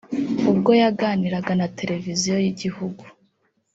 ubwo yaganiraga na Televiziyo y’Igihugu